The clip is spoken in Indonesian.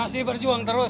masih berjuang terus